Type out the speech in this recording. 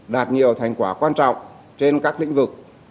đạt nhiều thành quả quan trọng trên các lĩnh vực